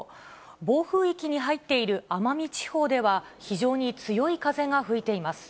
暴風域に入っている奄美地方では、非常に強い風が吹いています。